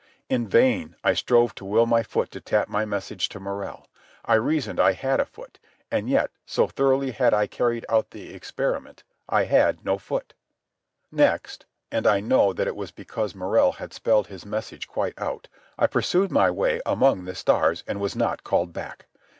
In vain I strove to will my foot to tap my message to Morrell. I reasoned I had a foot. And yet, so thoroughly had I carried out the experiment, I had no foot. Next—and I know now that it was because Morrell had spelled his message quite out—I pursued my way among the stars and was not called back.